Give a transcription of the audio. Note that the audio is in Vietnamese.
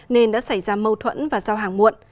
nên đã xảy ra mâu thuẫn và giao hàng muộn